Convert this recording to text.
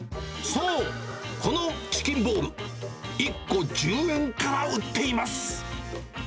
そう、このチキンボール、１個１０円から売っています。